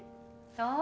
そう？